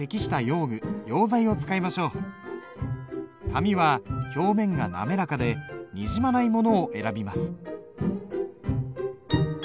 紙は表面がなめらかでにじまないものを選びます。